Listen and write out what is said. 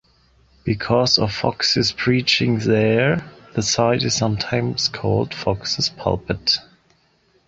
Because of Fox's preaching there, the site is sometimes called Fox's Pulpit.